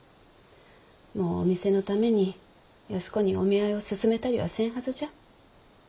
もうお店のために安子にお見合いを勧めたりはせんはずじゃ。